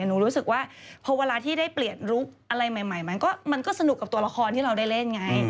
รู้สึกว่าพอเวลาที่ได้เปลี่ยนลุคอะไรใหม่มันก็สนุกกับตัวละครที่เราได้เล่นไง